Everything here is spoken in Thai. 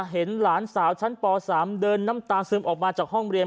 เห็นหลานสาวชั้นป๓เดินน้ำตาซึมออกมาจากห้องเรียน